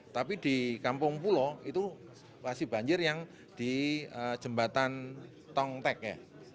tapi di kampung pulo itu masih banjir yang di jembatan tongtek ya